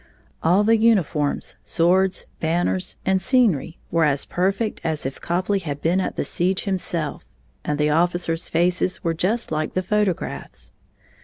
All the uniforms, swords, banners, and scenery were as perfect as if Copley had been at the siege himself, and the officers' faces were just like photographs.